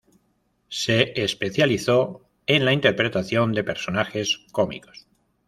Se especializó en la interpretación de personajes cómicos.